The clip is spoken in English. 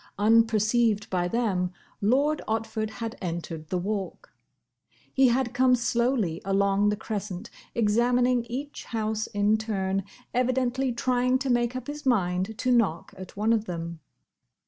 Unperceived by them, Lord Otford had entered the Walk. He had come slowly along the crescent, examining each house in turn, evidently trying to make up his mind to knock at one of them.